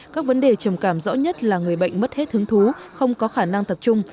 các vấn đề trầm cảm rõ nhất là người bệnh mất hết hứng thú không có khả năng tập trung